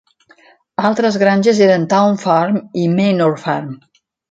Altres granges eren Town Farm i Manor Farm.